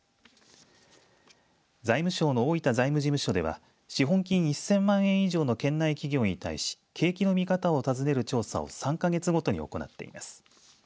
財務省の大分財務事務所では資本金１０００万円以上の県内企業に対し景気の見方を尋ねる調査を３か月ごとに行っています。